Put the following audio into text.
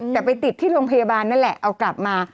แต่ไปติดที่โรงพยาบาลนั่นแหละเอากลับมา